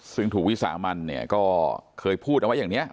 ซึ่งถูกวิสามันเนี่ยก็เคยพูดเอาไว้อย่างนี้